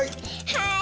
はい。